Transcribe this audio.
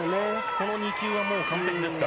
この２球は完璧ですか。